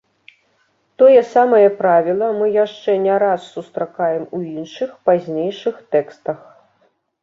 Тое самае правіла мы яшчэ не раз сустракаем у іншых, пазнейшых тэкстах.